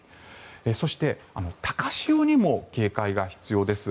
そして、高潮にも警戒が必要です。